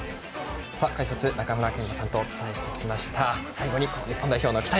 解説、中村憲剛さんとお伝えしてきました。